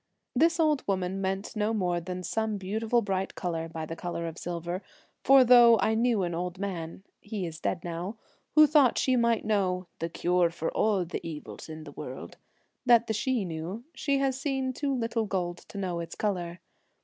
This old woman meant no more than some beautiful bright colour by the colour of silver, for though I knew an old man — he is dead now — who thought she might know ' the cure for all the evils in the world,' that the Sidhe knew, she has seen too little gold to know its colour.